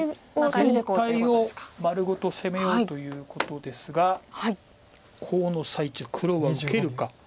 全体を丸ごと攻めようということですがコウの最中黒は受けるか。